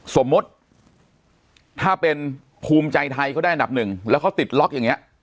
สมมุติถ้าเป็นภูมิใจไทยเขาได้อันดับหนึ่งแล้วเขาติดล็อกอย่างนี้